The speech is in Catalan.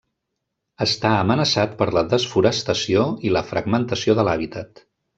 Està amenaçat per la desforestació i la fragmentació de l'hàbitat.